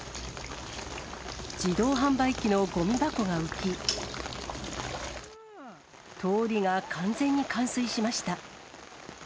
自動販売機のごみ箱が浮き、通りが完全に冠水しました。